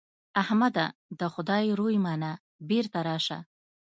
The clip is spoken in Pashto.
احمده! د خدای روی منه؛ بېرته راشه.